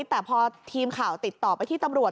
แต่พอทีมข่าวติดต่อไปที่ตำรวจ